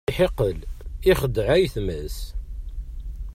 Iḥiqel ixeddeɛ ayetma-s.